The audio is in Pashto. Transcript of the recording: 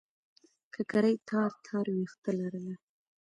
ککرۍ تار تار وېښته لرله.